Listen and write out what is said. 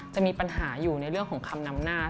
จะมีปัญหาอยู่ในเรื่องของคำนำหน้า